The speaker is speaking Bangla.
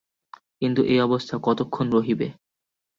কিন্তু এ অবস্থা কতক্ষণ রহিবে!